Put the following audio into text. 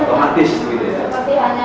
atau apa ya kita lakukan